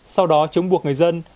sau đó chúng buộc người dân